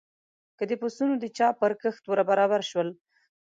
که د پسونو د چا پر کښت ور برابر شول.